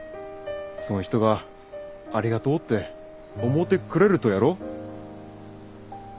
そん人はありがとうって思うてくれるとやろ？